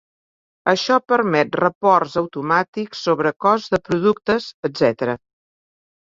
Això permet reports automàtics sobre costs de productes, etc.